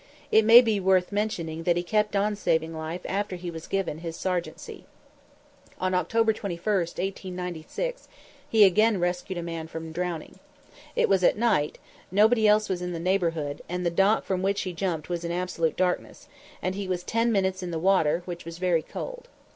It may be worth mentioning that he kept on saving life after he was given his sergeantcy. On October 21, 1896, he again rescued a man from drowning. It was at night, nobody else was in the neighborhood, and the dock from which he jumped was in absolute darkness, and he was ten minutes in the water, which was very cold.